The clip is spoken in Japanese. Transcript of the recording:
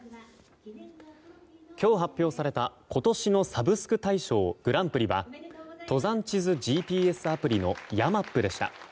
今日発表された今年のサブスク大賞グランプリは登山地図ＧＰＳアプリのＹＡＭＡＰでした。